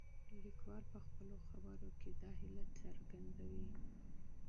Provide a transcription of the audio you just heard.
لیکوال په خپلو خبرو کې دا هیله څرګندوي.